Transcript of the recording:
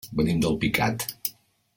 Venim d'Alpicat.